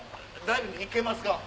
ダイビング行けますか？